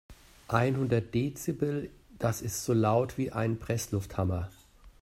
Einhundert Dezibel, das ist so laut wie ein Presslufthammer.